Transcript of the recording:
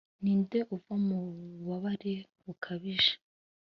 Ninde uva mububabare bukabije